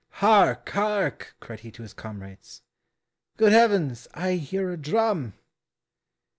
"Hark! hark!" cried he to his comrades, "Good heavens! I hear a drum."